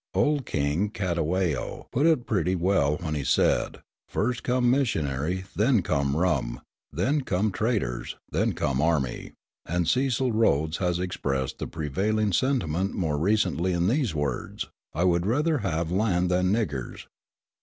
Old King Cetewayo put it pretty well when he said, "First come missionary, then come rum, then come traders, then come army"; and Cecil Rhodes has expressed the prevailing sentiment more recently in these words, "I would rather have land than 'niggers.'"